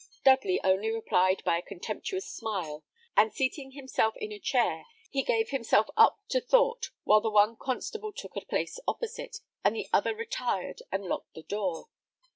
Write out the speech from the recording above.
Dudley only replied by a contemptuous smile, and, seating himself in a chair, he gave himself up to thought, while the one constable took a place opposite, and the other retired and locked the door.